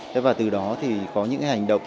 thế và từ đó thì có những hành động